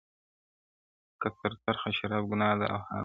که ترخه شراب ګنا ده او حرام دي,